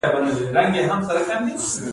وربشې د حیواناتو لپاره کرل کیږي.